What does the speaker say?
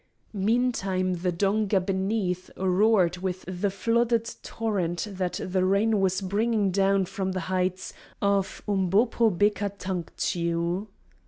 Meantime the donga beneath roared with the flooded torrent that the rain was bringing down from the heights of Umbopobekatanktshiu.